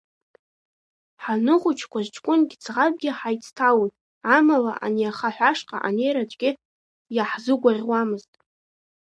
Ҳаныхәыҷқәаз ҷкәынгьы ӡӷабгьы ҳаицҭалон, амала ани ахаҳә ашҟа анеира аӡәгьы иаҳзыгәаӷьуамызт.